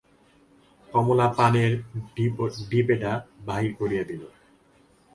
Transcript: কমলা পানের ডিপেটা বাহির করিয়া দিল।